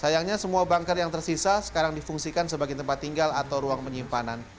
sayangnya semua banker yang tersisa sekarang difungsikan sebagai tempat tinggal atau ruang penyimpanan